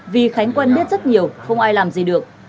vì khánh quen biết rất nhiều không ai làm gì được